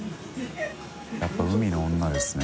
やっぱ海の女ですね。